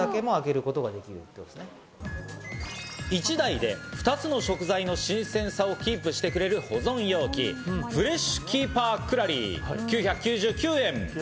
１台で２つの食材の新鮮さをキープしてくれる保存容器、フレッシュキーパークラリー、９９９円。